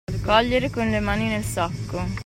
Cogliere con le mani nel sacco.